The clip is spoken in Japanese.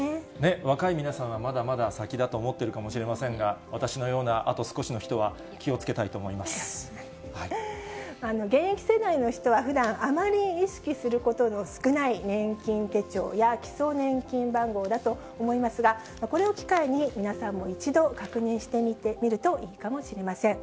若い皆さんはまだまだ先だと思ってるかもしれませんが、私のようなあと少しの人は気をつ現役世代の人はふだん、あまり意識することの少ない年金手帳や基礎年金番号だと思いますが、これを機会に皆さんも一度、確認してみるといいかもしれません。